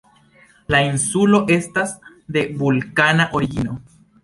La insulo estas de vulkana origino.